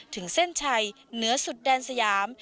ถึงเส้นชัยเหนือสุดแดนสยาม